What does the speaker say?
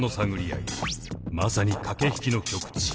まさに駆け引きの極致。